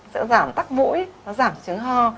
sẽ giảm tắc mũi giảm trứng hô